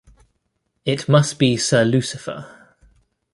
It must be Sir Lucifer.